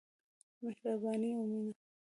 مهرباني او مينه.